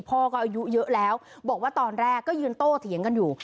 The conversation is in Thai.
พ่อก็อายุเยอะแล้วบอกว่าตอนแรกก็ยืนโต้เถียงกันอยู่